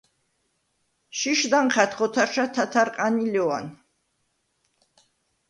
შიშდ ანჴა̈დხ ოთარშა თათარყან ი ლეუ̂ან.